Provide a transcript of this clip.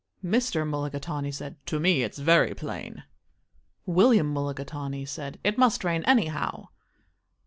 Mr. Mulligatawny said, "To me it's very plain." William Mulligatawny said, "It must rain, anyhow."